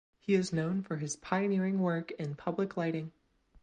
He is known for his pioneering work in public lighting.